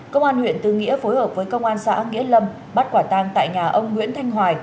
công an huyện tư nghĩa phối hợp với công an xã nghĩa lâm bắt quả tang tại nhà ông nguyễn thanh hoài